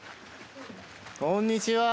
こんにちは！